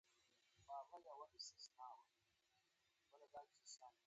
که غواړې چې معده دې نورماله وي نو: